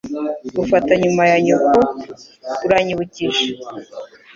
Ufata nyuma ya nyoko. Uranyibukije.